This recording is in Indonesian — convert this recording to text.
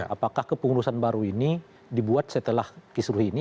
apakah kemurusan baru ini dibuat setelah kisru ini